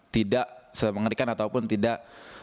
tidak sepengerikan ataupun tidak